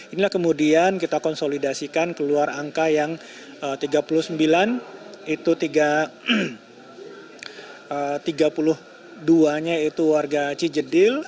inilah kemudian kita konsolidasikan keluar angka yang tiga puluh sembilan itu tiga puluh dua nya itu warga cijedil